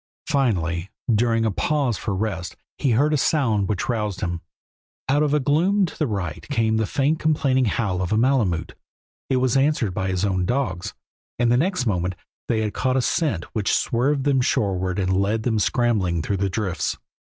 Finally, during a pause for rest he heard a sound which roused him. Out of the gloom to the right came the faint complaining howl of a malemute; it was answered by his own dogs, and the next moment they had caught a scent which swerved them shoreward and led them scrambling through the drifts.